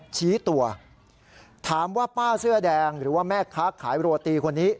ชี้ตัวถามว่าป้าเสื้อแดงหรือว่าแม่ค้าขายโรตีคนนี้